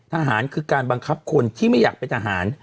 ทหารคือการบังคับคนที่ไม่อยากเป็นทหาร